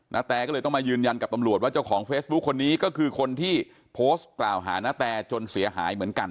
แตก็เลยต้องมายืนยันกับตำรวจว่าเจ้าของเฟซบุ๊คคนนี้ก็คือคนที่โพสต์กล่าวหานาแตจนเสียหายเหมือนกัน